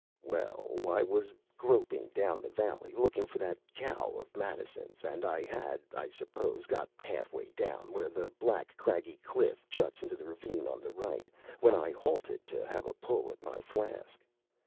” “Well, I was groping down the valley, looking for that cow of Madison’s, and I had, I suppose, got half way down, where a black craggy cliff juts into the ravine on the right, when I halted to have a pull at my flask.